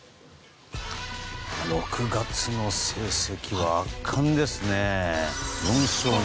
６月の成績は圧巻ですね。